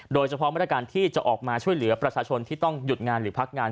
โดยเฉพาะมาตรการที่จะออกมาช่วยเหลือประชาชนที่ต้องหยุดงานหรือพักงาน